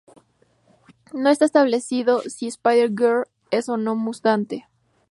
No está establecido si Spider-Girl es o no una mutante.